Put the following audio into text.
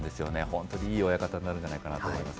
本当にいい親方になるんじゃないかなと思います。